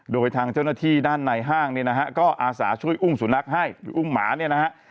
โดยทางเจ้าหน้าที่ด้านในห้างเนี่ยนะฮะก็อาสาช่วยอุ้มสุนัขให้หรืออุ้มหมาเนี่ยนะฮะ